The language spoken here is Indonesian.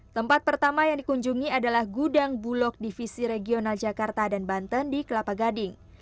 tempat pertama yang dikunjungi adalah gudang bulog divisi regional jakarta dan banten di kelapa gading